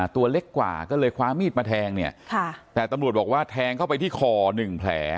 ตัวเล็กกว่าก็เลยคว้ามีดมาแทงเนี่ยแต่ตำรวจบอกว่าแทงเข้าไปที่คอหนึ่งแผล